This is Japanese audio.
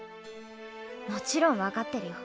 もちろん分かってるよ